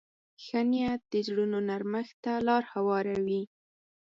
ښه نیت د زړونو نرمښت ته لار هواروي.